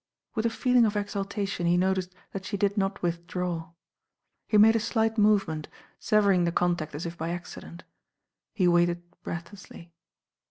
With a feeling of exaltation he noticed that she did not withdraw. He made a slight movement, severing the contact as if by accident. He waited breathlessly.